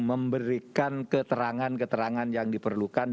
memberikan keterangan keterangan yang diperlukan